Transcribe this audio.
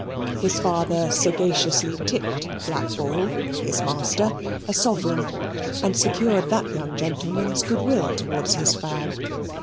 His father sagaciously tipped Blackball, his master, a sovereign, and secured that young gentleman's good will towards his fag.